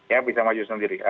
ya bisa maju sendiri